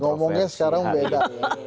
ngomongnya sekarang beda